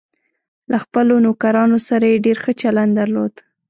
له خپلو نوکرانو سره یې ډېر ښه چلند درلود.